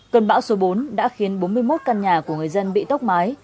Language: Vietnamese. cơn bão số bốn đã khiến bốn mươi một căn nhà của người dân bị tốc mái